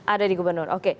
ada di gubernur oke